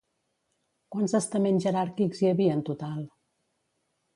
Quants estaments jeràrquics hi havia en total?